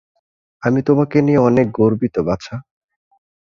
আমি তোমাকে নিয়ে অনেক গর্বিত, বাছা।